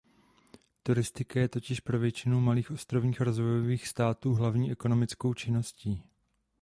Turistika je totiž pro většinu Malých ostrovních rozvojových států hlavní ekonomickou činností.